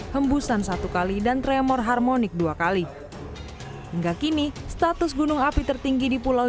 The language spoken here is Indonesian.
hembusan satu kali dan tremor harmonik dua kali hingga kini status gunung api tertinggi di pulau